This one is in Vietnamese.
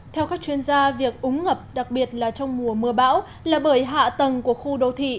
theo các chuyên gia việc úng ngập đặc biệt là trong mùa mưa bão là bởi hạ tầng của khu đô thị